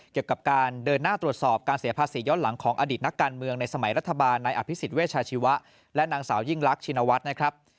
เกี่ยวกับการเดินหน้าตรวจสอบการเสียภาษีย้อนหลังของอดีตนักการเมืองในสมัยรัฐบาลนายอภิษฎเวชาชีวะและนางสาวยิ่งรักชินวัฒน์นะครับ